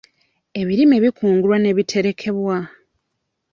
Ebirime bikungulwa ne biterekebwa.